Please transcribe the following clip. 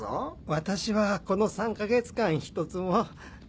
私はこの３か月間１つも。